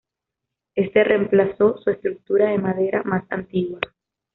Este reemplazó una estructura de madera más antigua.